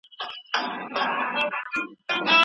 زعفران د نړۍ تر ټولو قیمتي او ارزښتناک نبات دی.